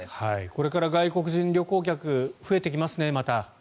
これから外国人旅行客がまた増えてきますね。